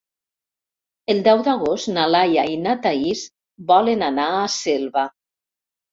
El deu d'agost na Laia i na Thaís volen anar a Selva.